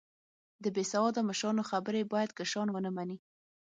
د بیسیواده مشرانو خبرې باید کشران و نه منې